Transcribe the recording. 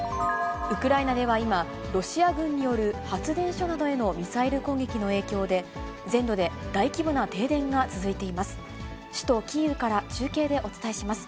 ウクライナでは今、ロシア軍による発電所などへのミサイル攻撃の影響で、全土で大規模な停電が続いています。